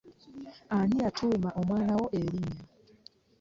Ani yatuuma omwana wo erinnya?